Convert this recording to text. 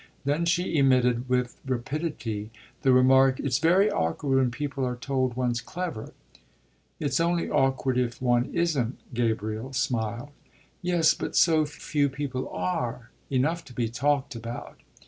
Then she emitted with rapidity the remark: "It's very awkward when people are told one's clever." "It's only awkward if one isn't," Gabriel smiled. "Yes, but so few people are enough to be talked about."